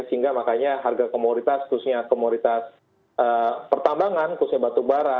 sehingga makanya harga komoditas khususnya komoditas pertambangan khususnya batubara